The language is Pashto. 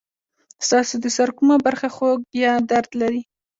ستاسو د سر کومه برخه خوږ یا درد لري؟